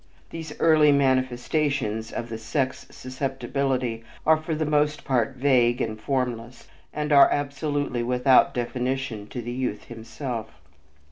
These early manifestations of the sex susceptibility are for the most part vague and formless, and are absolutely without definition to the youth himself.